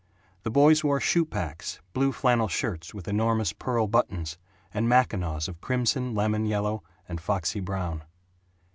The boys wore shoe packs, blue flannel shirts with enormous pearl buttons, and mackinaws of crimson, lemon yellow, and foxy brown.